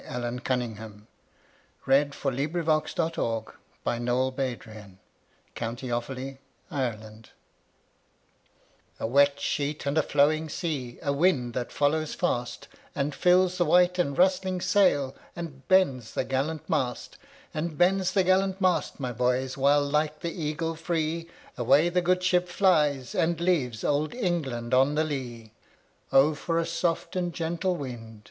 1875. Allan Cunningham CCV. "A wet sheet and a flowing sea" A WET sheet and a flowing sea,A wind that follows fastAnd fills the white and rustling sailAnd bends the gallant mast; And bends the gallant mast, my boys, While like the eagle freeAway the good ship flies, and leavesOld England on the lee."O for a soft and gentle wind!"